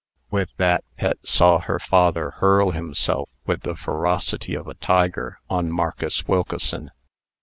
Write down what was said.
With that, Pet saw her father hurl himself, with the ferocity of a tiger, on Marcus Wilkeson.